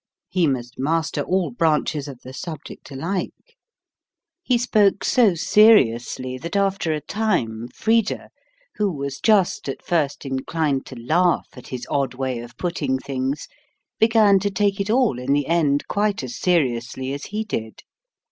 He must master all branches of the subject alike. He spoke so seriously that after a time Frida, who was just at first inclined to laugh at his odd way of putting things, began to take it all in the end quite as seriously as he did.